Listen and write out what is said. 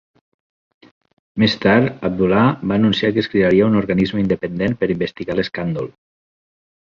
Més tard, Abdullah va anunciar que es crearia un organisme independent per investigar l'escàndol.